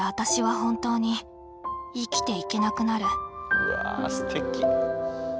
うわすてき。